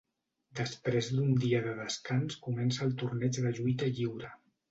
Després d'un dia de descans comença el torneig de lluita lliure.